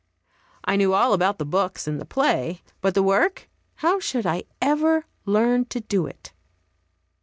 I knew all about the books and the play; but the work, how should I ever learn to do it?